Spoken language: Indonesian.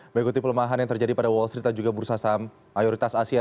mengikuti pelemahan yang terjadi pada wall street dan juga bursa saham mayoritas asia